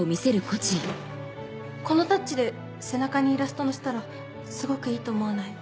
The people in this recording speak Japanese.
このタッチで背中にイラスト載せたらすごくいいと思わない？